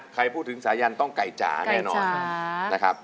ใครพูดถึงสายันต้องไก่จ๋าแน่นอนนะครับ